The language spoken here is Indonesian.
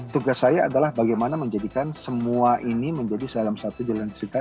tugas saya adalah bagaimana menjadikan semua ini menjadi salah satu jalan cerita